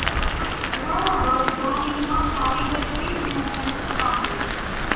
Rumer was born in Moscow into a Jewish merchant family.